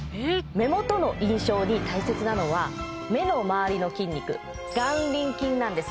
目元の印象に大切なのは目のまわりの筋肉眼輪筋なんです